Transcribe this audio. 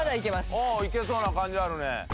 おおいけそうな感じあるね。